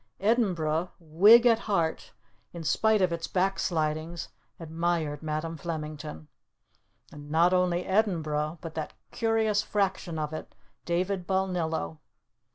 Edinburgh, Whig at heart, in spite of its backslidings, admired Madam Flemington. And not only Edinburgh, but that curious fraction of it, David Balnillo.